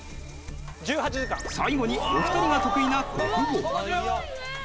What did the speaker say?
最後にお二人が得意な国語。